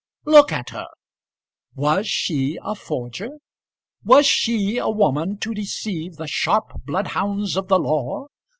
Look at her! Was she a forger? Was she a woman to deceive the sharp bloodhounds of the law?